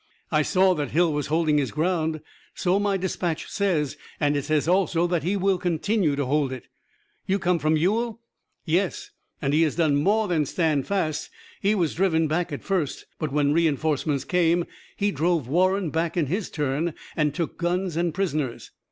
"I saw that Hill was holding his ground." "So my dispatch says, and it says also that he will continue to hold it. You come from Ewell?" "Yes, and he has done more than stand fast. He was driven back at first, but when reinforcements came he drove Warren back in his turn, and took guns and prisoners."